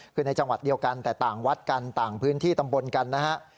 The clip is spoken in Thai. คือในจังหวัดเดียวกันแต่ต่างวัดกันต่างพื้นที่ตำบลกันนะฮะ